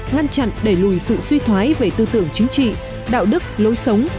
ngăn chặn đẩy lùi sự suy thoái về tư tưởng chính trị đạo đức lối sống